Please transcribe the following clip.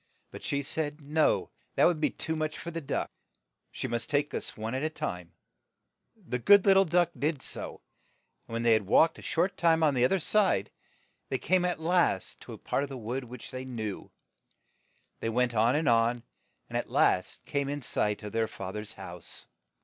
But she said, "No, that would be too much for the duck. She must take one of us at a time." The good lit tle duck did so, and when they had walked a short time on the oth er side, they came at last to a part of 12 HANSEL AND GRETHEL the wood which they knew. They went on and on, and at last came in sight of their fa ther's house.